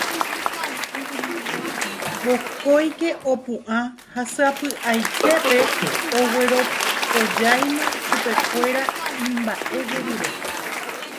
Vokóike opu'ã ha sapy'aitépe ogueropojáima chupekuéra imba'ejerure